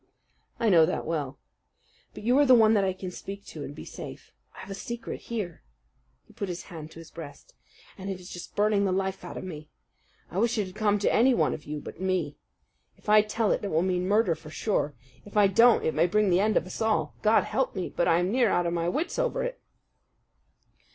"I know that well. But you are the one that I can speak to and be safe. I've a secret here," he put his hand to his breast, "and it is just burning the life out of me. I wish it had come to any one of you but me. If I tell it, it will mean murder, for sure. If I don't, it may bring the end of us all. God help me, but I am near out of my wits over it!"